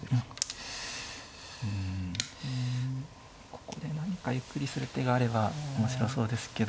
ここで何かゆっくりする手があれば面白そうですけど